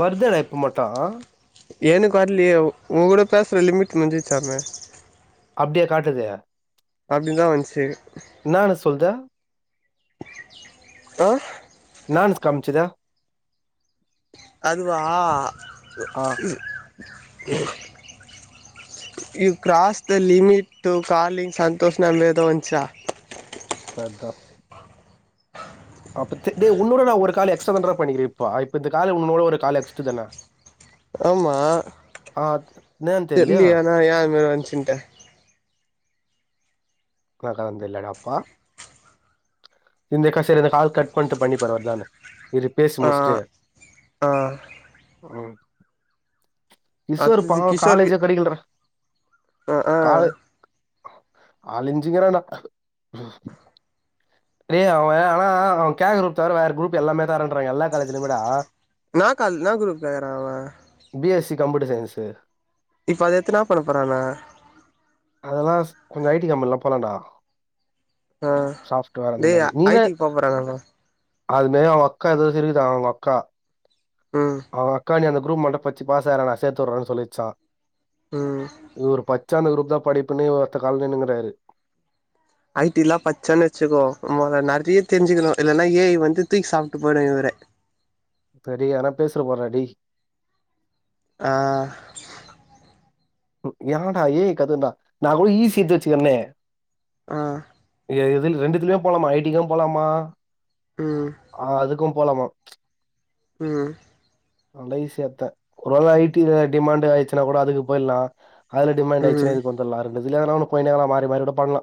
வருதரப்ப மட்டா ஏனுக்கு வர்லியே உங்கூட பேசுற லிமிட் முடிஞ்ச்சுருசாமே அப்டியா காட்டுது அப்டிதா வந்ச்சு என்னான்னு சொல்லுது அ காம்ச்சுதா அதுவா ஆ you cross the limit to calling சந்தோஷம்னு ஏதோ வந்துச்சா பத்தா அப்ப திட்ன உன்னோட நா ஒரு கால் எக்ஸ்ட்ரா தா டா பண்ணிக்கிறே இப்ப இப்ப இந்த கால் உன்னோட ஒரு கால் எக்ஸ்ட்டு தான ஆமா அ தெர்லியேனா ஏ இந் மாரி வந்ச்சுன்ட்டு [unintelligible] இந்தக் கால் சேரி இந்த கால் கட் பண்ணிட்டு பண்ணி பாரு வருதானு இரு பேசி ஆ முட்ச்ட்டு ஆ கிஷோரு அடுத்தது பாவோ கிஷோர் வி காலேஜே கெடைக்கலட்றா ஆ ஆ காலே அலஞ்சிகிறானா ஏ அவே ஆனா அவே கேக்ற குரூப் தவிர வேற குரூப் எல்லாமே தரேன்றாங்க எல்லா காலேஜ்லமே டா என்னா கா என்னா குரூப் கேக்குறா அவே கம்யூட்டர் சயின்ஸ்சு இப்ப அத எத்து என்னா பண்ண போறானா அதெல்லா கொஞ்சோ ஐ டி கம்பெனில போலாடா அ டே ஏ ஐ டிக்கு போ போறானான்டா அது மாரி அவுங்க அக்கா ஏதோ வெச்சுருக்குதா அவுங்க அக்கா ம் அவ அக்கா நீ அந்த குரூப் மட்டூ பட்ச்சு பாஸ் ஆய்யிறா நா சேத்து விட்றேன்னு சொல்லிச்சா உம் சார் அந்த குரூப் தா படிப்பேன்னு ஒத்த கால்ல நின்னுக்குறாரு ஐ டிலா பச்சான்னு வச்சுக்கோ நறையா தெரிஞ்சுக்கணு இல்லன்னா ஏ ஐ வந்து தூக்கி சாப்ட்டு போய்ரு இவர அடேய்‌ யார்னா பேசிறபோறா டேய் ஆ யான்டா ஏய் கத்துன்டா நா கூட இ சி எடுத்து வச்சுக்கிறனே ஆ இது ரெண்டுதுக்குமே போலாமா ஐ டிக்கூ போலாமா ம் ஆ அதுக்கூ போலாமா உம் நல்லா ஈஸியாத்தே ஒரு வேள ஐ டில டிமாண்ட்டு ஆயிச்சுன்னா கூட அதுக்கு போய்டலா அதுல டிமாண்ட் ஆய்ச்சுனா ம் இதுக்கு வந்துரலா ரெண்டு இதுல எதுனா ஒன்னு போயினேனா மாறி மாறிக்கூட பண்லா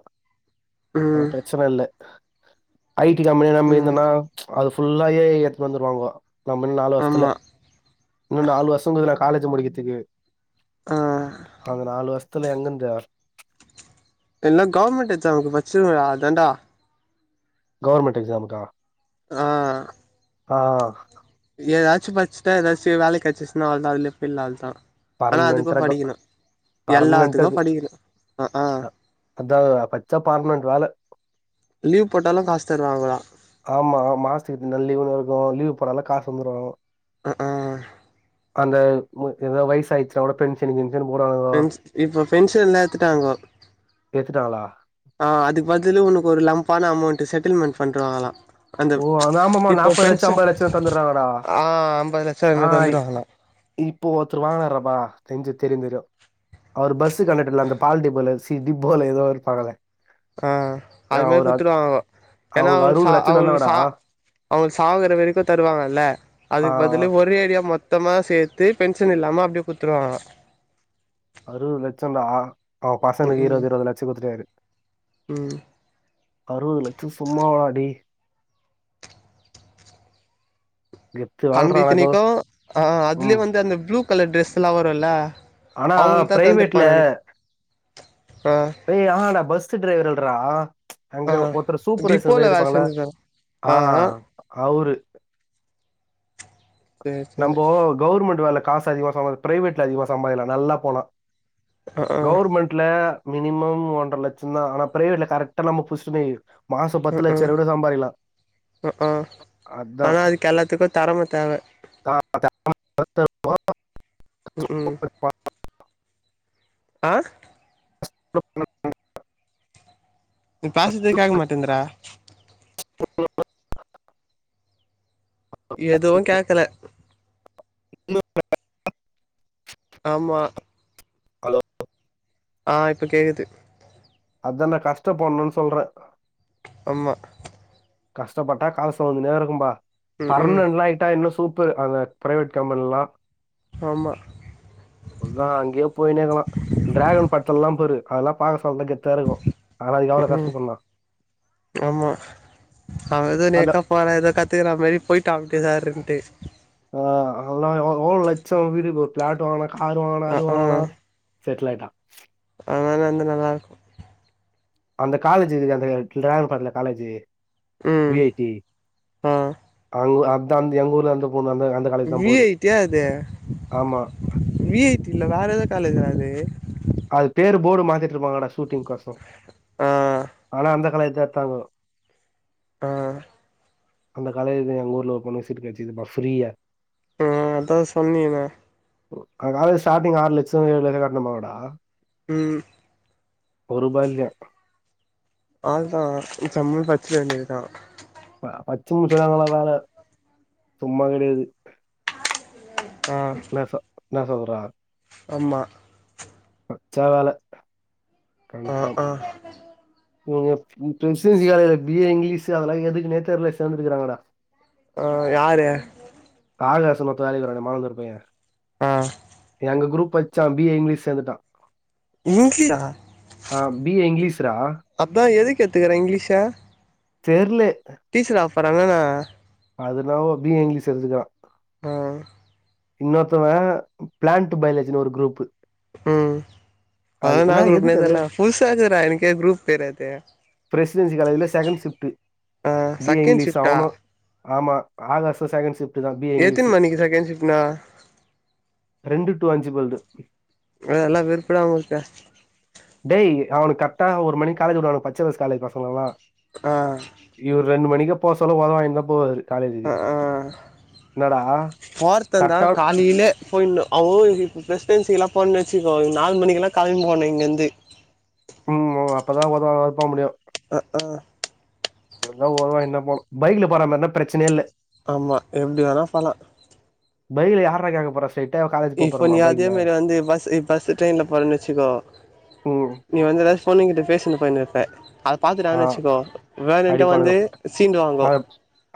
ஆனா ம் பிரச்சன இல்ல ஐ டி கம்பெனி நம்பி ம் இருந்தேனா அது ஃபுல்லா ஏ ஐ எத்துனு வந்துடுவாங்கோ நம்மன்னு நாலு வர்ஷத்துல ஆமா இன்னு நாலு வருஷத்துல காலேஜ்ஜு முடிக்கிறதுக்கு ஆ அந்த நாலு வருஷத்துல எங்கந்து எல்லா கவுர்மெண்ட் எக்சாமுக்கு பட்ச்சுருங்கடா அதா டா கவுர்மெண்ட் எக்ஸாமுக்கா ஆ ஆ ஏதாச்சு பட்ச்சுட்டா ஏதாச்சு வேல கெச்சுன்னா அவ்ளோதா அதுலயே போயிலா அவ்ளோதா பர்மனென்ட் ரகோ பர்மனென்ட் எல்லாத்துக்கு அது படிக்கணு ஆ ஆ அதா அதா பச்ச பர்மனென்ட் வேல லீவ் போட்டாலு காசு தருவாங்களா ஆமா மாஸ்துக்கு நல்லீவு தா லீவ் போட்டாலும் காசு வந்துரும் ஆ ஆ அந்த ஏதாவது வயசு ஆயிச்சுனா கூட பென்ஷன் கின்ஷன் போடுவானுங்கோ இப்ப பென்ஷன்ல்ல ஏத்துட்டாங்க ஏத்துட்டாங்களா ஆ அதுக்கு பதிலு உனக்கு ஒரு லம்பான அமௌண்டட் செட்டில்மெண்ட் பண்றவாங்களா அந்த ஓ ஆமா- ஆமாமா இப்போ நாப்பது லட்சோ பென்ஷன் ஐம்பது லட்சோ தந்துடுறாங்கடா ஆ அம்பது லட்சம் ஆ என்னமோ தந்துடுவாங்கலாம் இப்போ ஒருத்தர் வாங்கினறபா நெஞ்சு திருதிரும் அவர் பஸ்ஸூ கண்டக்டர்ல அந்த பால் டிப்போல சி டிப்போல ஏதோ இருபாங்கல ஆ அது மாதிரி குத்துடுவாங்க ஏன்னா அவருக்கு ச அறுபது லட்சோ அவங்களுக்கு தந்தாங்கடா சா ஆ அவங்களுக்கு சாகிற வரைக்கு தருவாங்கல்ல அதுக்கு ஆ பதில ஒரேடியா மொத்த சுத்தமா சேர்த்து பென்ஷன் இல்லாம அப்படியே குடுத்துருவாங்கலா அறுவது லட்சம்டா அவ பசங்களுக்கு இருபது இருபது லட்சம் குடுத்துட்டாரு உம் அறுபது லட்சம் சும்மாவாடி கம்பி நீக்கும் ஆ அதுலே ம் வந்து அந்த ப்ளூ கலர் டிரெஸ் எல்லா வரும்ல்ல ஆனா அவங்களுக்கு தா பிரைவேட்ல தந்திருப்பானனு ஏய் ஆமாடா பஸ்ஸூ டிரைவர்கல்ரா அங்க ஆ ஒருத்தர் சூப்பர்வைசர் டிப்போல மாதிரி வேல இருப்பாங்கள செஞ்சிருக்காங்க ஆ அவரு சேரி சேரி நம்போ கவுவர்மெண்ட் வேல காசு அதிகமா சம்பாதி பிரைவேட்ல அதிகமா சம்பாதிக்கலா நல்லா போனா ஆ ஆ கவர்மெண்ட்ல மினிமம் ஒன்றர லட்சம் தா ஆன ப்ரைவேட்ல கரெக்டா நம்ம புச்சுடோம் வை மாசம் பத்து ம் லட்சம் ம் ரூவா வர கூட சம்பாதிக்கலா ம் ஆ அதா ஆனா அதுக்கு எல்லாத்துக்கு தெறம தேவ ம் ம் [unintelligible] ஆ [inaudible] நீ பேசறதே கேக்க மாட்டேங்துடா [inaudible] எதுவு கேக்கல [inaudible] அம்மா ஹலோ ஆ இப்ப கேக்குது அதா நா கஷ்டப்படணுன் சொல்ற அம்மா கஷ்டப்பட்டா காசு வந்துனேருக்கும்பா ம் ம் பர்மனட்லா ஆயிட்டா இன்னு சூ ப்பரு அந்த பிரைவேட் கம்பெனிலா ஆமா அதா அங்கயே போயினேக்கலா டிராகன் படத்துல்லா பாரு அதெல்லா பாக்க சொல்தா கெத்தா இருக்கு ஆனா அதுக்கெவ்ளோ ம் ம் கஷ்டப்படணு ஆமா அவ எதோ நேக்கா போறா எதோ கத்துக்ற மாரி போய்ட்டா அப்டியே சேர்றன்ட்டு ஆஹ், அதெல்லாம் எவ்வளவு எவ்வளவு லட்சம் வீடு ஒரு பிளாட் வாங்னா கார் வாங்னா அ அது ஆ வாங்னா செட்டில் ஆய்ட்டா அதனால வந்து நல்லாருக்கு அந்த காலேஜ் இக்குது அந்த டிராகன் படத்துல காலேஜு ம் வி ஐ டி ஆ அங் அதா எங்கூர்ல அந்த பொண்ணு அந்த அந்த காலேஜ் தான் வி போகுது ஐ டி யா அது ஆமா வி ஐ டி இல்ல வேற எதோ காலேஜ்ரா அது அது பேர் போர்டு மாத்திட்டு இருப்பாங்கடா ஷூட்டிங் கொசர ஆ ஆனா அந்த காலேஜ்ல்தா எடுத்தாங்கோ ஆ அந்த காலேஜுல எங்க ஊர்ல ஒரு பொண்ணுக்கு சீட் கெடச்ருக்குதுப்பா ஃப்ரியா ஆ அதா சொன்னிங்ளே காலேஜ் ஸ்டார்டிங் ஆறு லட்ச ஏழு லட்ச கட்னமல்லடா ம் ஒருபா இல்லயா அதுதா ஜம்முனு பட்ச்சிக்க வேண்டியதுதா ப பட்ச்சிம் சொன்னாங்ளா வேல சும்மா கெடையாது ஆ என்ன சொ என்ன சொல்ற அம்மா பட்ச்சா வேல ஆ கன்ஃபார்ம் ஆ நீங்க எப் பிரசிடன்சி காலேஜ்ல பி ஏ இங்கிலீஷு அதெல்லா எதுக்குனே தெர்ல சேந்துருக்கறாங்கடா ஆ யாரு ஆலரச மரத்து வேலைக்கு வரான்னே மாலந் ஒரு பைய ஆ எங்க குரூப் பச்சா பி ஏ இங்கிலீஷ் சேந்துட்டா இங்கிலீஷா ஆ பி ஏ இங்கிலீஷ் ரா அதா எதுக்கு எத்துக்கறா இங்கிலீஷ தெர்லே டீச்சர் ஆவ போறானா என்ன அது என்னவோ பி ஏ இங்கிலீஷ் எடுத்துருக்றா ஆ இன்னொருத்தவே பிளான்ட் பயாலஜினு ஒரு குரூப் ம் அதலா அது என்னா என்ன குரூப்னே எதுக்கு அது தெர்ல புதுசாக்குதுடா எனக்கே குரூப் பேரு அது பிரசிடென்சி காலேஜ்ல செகண்ட் சிஃப்ட் ஆ பி ஏ செகண்ட் இங்கிலீஷு ஷிஃப்டா அவனு ஆமா ஆகாஸு செகண்ட் ஷிஃப்ட் எத்தினு மணிக்கு செகண்ட் ஷிஃப்ட்னா டூ அஞ்சி போலது அதெல்லா வெறுப்புடா நமுளுக்கு டேய் அவனுக்கு கர்ட்டா ஒரு மணிக் காலேஜ் வுடுவாங்க பச்சயபாஸ் காலேஜ் பசங்கள்லா ஆ இவுரு ரெண்டு மணிக்கா போசொல்லோ வொத வாங்கீன்தா போவாரு காலேஜுக்கு ஆஹ்ஹா என்னடா போர்தந்தா கரெக்டா காலிலே போயின்னோ அவ்ளோ இருக்கு இப்ப பிரசிடென்சி எல்லா போகன்னு வச்சிக்கோ நாலு மணிக்கெல்லா கெளம்பி போனு இங்கந்து ஓ அப்பதா ஒத வாங்காம போ முடியு அஹ்ஹா எப்டினா வொத வாங்கின்னு தா போனு பைக்ல போற மாரின்னா பிரச்சனயேல்ல ஆமா எப்டி வேணா போல பைக்ல யார்ரா கேக்க போற இப்ப நீ அதே மாரி வந்து பஸ் இப் பஸ்ஸு ட்ரெயின்ல போறன்னு வச்சுக்கோ ம் நீ வந்து எதாச்சு பொண்ணுங்கிட்ட பேசினு போய்ன்னு இருப்ப அத ஆ பாத்துடாங்கன்னு வச்சிக்கோ வேணுன்ட்டே வந்து அடிப்பானுங்க சீண்டு வாங்கோ அ-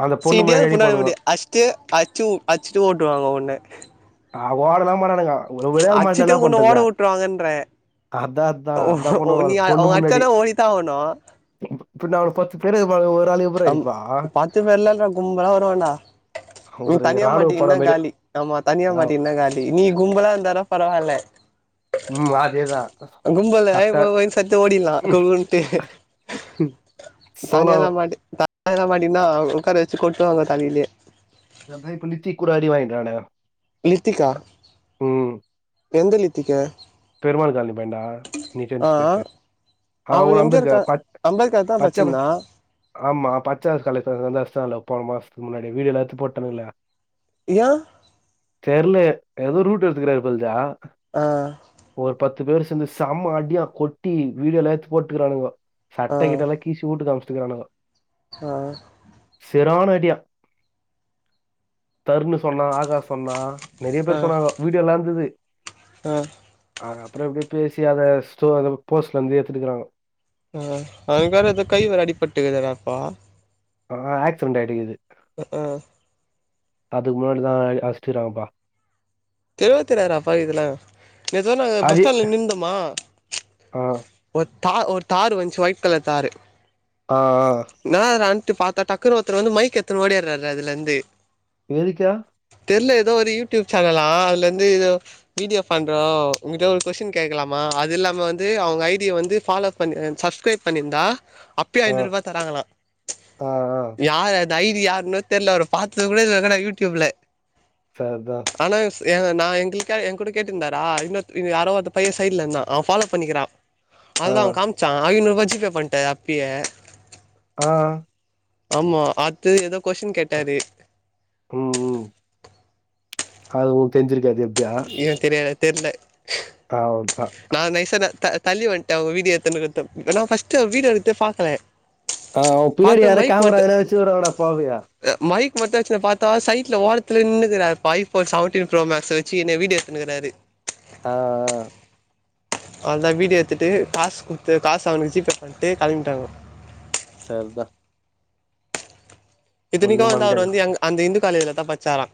அந்த பொண்ணு சீண்டியாது முன்னாடி புண்ணாக்கு அடிப்பானுங்க மூட்டய அஸ்ட்டு அச்சு அச்சிட்டு ஓட்டுவாங்க உன்ன ஆ ஓடல்லா மாட்டானுங்க ஒரு ஒரே ஆள் மாட்னா அடிச்சுட்டு என்னா உன்ன பண்றது ஓட விட்டுருவாங்கன்றே அதா அதா ஓ அதா ஓ நீ பண்ணுவாங்க ஆ பொண்ணு அவங்க முன்னாடி அடிச்சானா ஓடித்தா ஆவணு பின்ன அவன பத்து பேரு அம் பத்து பேர்லா இல்ல கும்பலா வருவாண்டா ம் ஒரு தனியா ராணுவ மாட்டிகின்னா படம் மாதிரி காலி ஆமா ஆ, தனியாமாட்டிகின்னா காலி நீ கும்பளா இருந்தாதா பரவால்ல ம் அதேதான் கும்பல்ல ஆய் கரெக்டா போ போய்யி சொல்ட்டு ஓடிலா கம்முன்ட்டு ம் தானியால்லா மாட்டி தானியால்லா மாட்டிகினா உக்கார வச்சி கொட்டுவாங்க தலைலயே அதா இப்ப நித்தி கூட அடி வாங்கிட்டு வராண்டா லித்திக்கா ம் எந்த லித்திக்க பெருமாள் கால்னி பையன்டா நிஜன் சொல்லிட்டு அவ அவங்கூடோ எம் ஜி ஆர் கா அன்பிவெச்சிருக்காரு பச் அம்பேத்கர் தா பச்சயபா பச்சிருந்தா ஆமா பச்சயபாஸ் கலேஸ் [unintelligible] அஸ்டாங்கலே போன மாசத்துக்கு முன்னாடி வீடியோல்லா எத்து போட்டானுங்களே யா தெர்ல ஏதோ ரூட் எடுத்துக்கிறாரு பொழுதே ஆஹ் ஒரு பத்து பேர் சேந்து செம அடியா கொட்டி வீடியோல எட்த்து போட்டுகிறானுங்கோ ஆ சட்ட கிட்ட எல்லா கீசி ஊட்டுக்கு அம்ச்சிக்கிறானுங்கோ ஆ செரான அடியா தருன்னு சொன்னா ஆகாஸ் சொன்னா நறைய ஆ பேர் சொன்னாங்க வீடியோலாந்தது ஆ அ அப்றோ எப்டியோ பேசி அத ஸ்டோ போஸ்ட்லந்து எத்துட்டுக்குறாங்க ஆ அவனுக்கு வேற எதோ கை வேற அடிபட்டுக்கிதானப்பா ஆ ஆக்ஸ்டெண்ட்டடியிது அ ஆ அதுக் முன்னாடி தா அச்ட்ரிராங்ப்பா பேர்தெரியாதுராப்பா இதுலா நெஜமா நாங்க பஸ் அது ஸ்டாண்ட்ல நின்ந்தோமா ஆ ஒ தா ஒரு தார் வன்ச்சு ஒயிட் கலர் தாரு அ ஆ த்து பாத்தா டக்குனு ஒர்த்தர் வந்து மைக் எத்துன் ஓடியாராரு அதுலந்து எதுக்குயா தெர்ல எதோ ஒரு யூடியூப் சேனலா ஆ அதுலந்து எதோ வீடியோ பண்றோ உங்கிட்ட ஒரு கொஸ்டின் கேக்லாமா அதில்லாம வந்து அவுங்க ஐடி ய வந்து ஃபாலோ பண்ணு சப்ஸ்க்ரைப் பண்ணிர்ந்தா அப்பயே ஆ ஐநூறுவா தராங்களா ஆ ஆ யார் அது தி யாருன்னு தெர்ல அவரு பாத்தது கூட இல்லடா யூடியூப்ல ச அதா ஏ நா எங்களுக்க எங் கூட கேட்டிருந்தாரா இன்னு யாரோ ஒது பைய சைட்ல இருந்தா அவ ஃபாலோ பண்ணிக்கிறா ஆ அவ்ளதா அவ காமிச்சா ஐநூறுவா ஜி பே பண்ட்ட அப்பியே ஆ ஆமா அத்தது ஏதோ கொஷ்ஷின் கேட்டாரு ம் ம் அது ஓ தெரிஞ்சிருக்காது எப்டியா ஏ தெரியாது தெர்ல அவுள்தா நான் நைஸா ந த தள்ளி வன்ட்ட அவ வீடியோ எத்து [unintelligible] நா ஃபஸ்ட்டு வீடியோ எடுக்தே பாக்கல ஆ அ பின்னாடி யாரோ கேமரா எதனா வச்சு உட [unintelligible] [unintelligible] பாத்தா சைட்ல ஓரத்துல நின்னுக்குறார் இப்ப ஐஃபோன் செவன்டீன் ப்ரோ மேக்ஸ் வெ ச்சி என்னைய வீடியோ எத்துனுக்குறாரு ஆ ஆ அவ்ள்தா வீடியோ எத்துட்டு காசு குடுத்து காசு அவனுக்கு ஜிபே பண்ட்டு கெளம்பிட்டாங்க செர்தா இத்தனிக்கு பண்ண வந்து அவரு முடியாது வந்து எங்க அந்த இந்து காலேஜுலதா பச்சாரா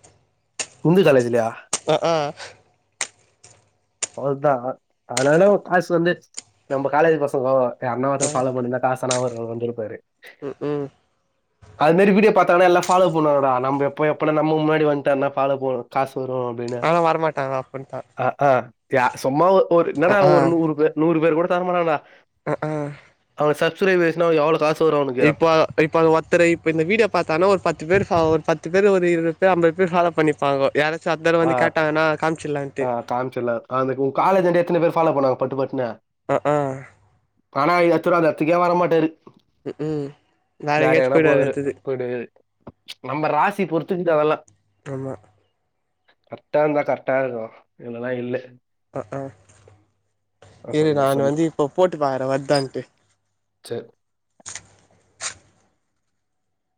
இந்து காலேஜ்லயா அவ்ள்தா அதனால காஸ் வந்து நம்போ காலேஜ் பசங்கோ அண்ணாவத்த ஃபாலோ பண்ணிருந்தா காசனா அவரு வந்துருப்பாரு ம் ம் அது மேரி வீடியோ பாத்தானா எல்லா ஃபாலோ பண்ணுண்டா நம்ப எப்போ எப்பட நம்ம முன்னாடி வன்ட்டானா ஃபாலோ போ காஸ் ஆனா வரமாட்டாங்க அப்படின்ட்டான் அ அ த்யா சும்மா ஒ ஒரு என்னடா ஒரு நூறு பே நூறு பேரு கூட தரமாட்டான்டா அ அ ஒரு சப்ஸ்ரைபுச்சுனா ஒனக் எவ்ளோ காஸ் இப்போ இப்போ ஒத்தரு இப்ப இந்த வீடியோ பாத்தானா ஒரு பத்து பேர் ஃபா ஒரு பத் து பேர்ல ஒரு இருவது பேர் அம்பது பேர் ஃபாலோ பண்ணிப்பாங்கோ யாரா அ அ காம்ச்சுலா உங்க காலேஜன்ட எத்தன பேர் ஃபாலோ பன்னாங்க பட்டு பட்டுன்னு அ அ அப்புற அந்த எடத்துக்கே வர மாட்டாரு ஹு ஹும் வேற எங்கனா போவாரு போய்டுவாரு நம்ம ராசி பொறுத்து இருக்கு அதலா அ கரெக்டா இருந்தா கரெட்டா இருக்கு இல்லனா இல்ல அஆ அ இரு சொல்லு நான் சொல்லு. வந்து இப்போ போட்டு பாக்குறே வர்தான்ட்டு செர்